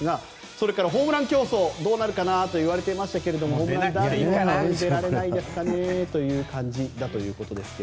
それからホームラン競争どうなるかなといわれていましたがホームランダービーも出られない感じですかねということですが。